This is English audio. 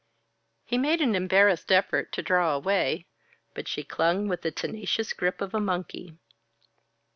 He made an embarrassed effort to draw away, but she clung with the tenacious grip of a monkey.